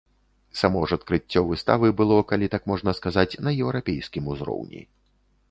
Само ж адкрыццё выставы было, калі так можна сказаць, на еўрапейскім узроўні.